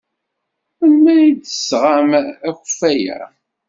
Melmi ay d-tesɣam akeffay-a?